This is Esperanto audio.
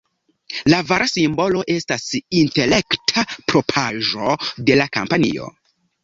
La vara simbolo estas intelekta propraĵo de la kompanio.